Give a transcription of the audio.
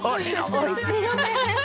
おいしいよね。